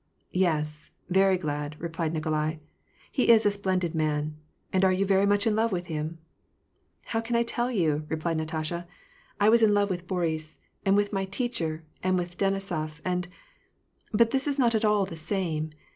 '^ Yes, very glad," replied Nikolai. '^ He is a splendid man. — And are you very much in love with him ?"" How can I tell you ?" replied Natasha. " I was in love with Boris, and with my teacher, and with Denisof, and — but this is not at all the same.